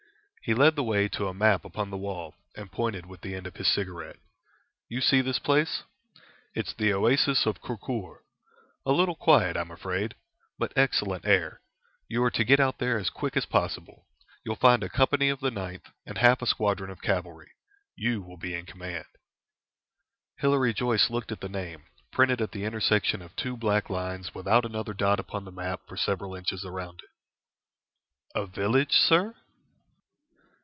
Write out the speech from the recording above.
He led the way to a map upon the wall, and pointed with the end of his cigarette. "You see this place. It's the Oasis of Kurkur a little quiet, I am afraid, but excellent air. You are to get out there as quick as possible. You'll find a company of the Ninth, and half a squadron of cavalry. You will be in command." Hilary Joyce looked at the name, printed at the intersection of two black lines without another dot upon the map for several inches around it. "A village, sir?"